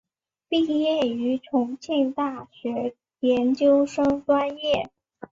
毕业于重庆大学研究生专业。